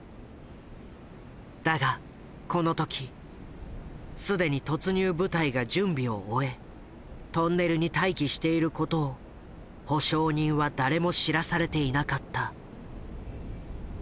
だがこの時既に突入部隊が準備を終えトンネルに待機していることを保証人は誰も知らされていなかった。